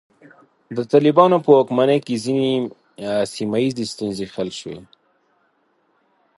د طالبانو په واکمنۍ کې ځینې سیمه ییزې ستونزې حل شوې.